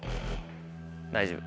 大丈夫。